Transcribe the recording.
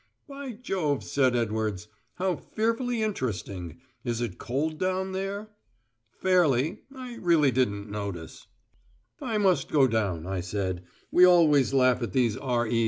"By Jove," said Edwards. "How fearfully interesting! Is it cold down there?" "Fairly. I really didn't notice." "I must go down," I said. "We always laugh at these R.E.